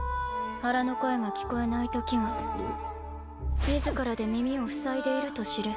腹の声が聞こえないときは自らで耳を塞いでいると知れ。